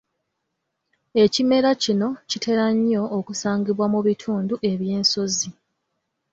Ekimera kino kitera nnyo okusangibwa mu bitundu eby'ensozi.